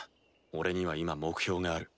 俺には今目標がある。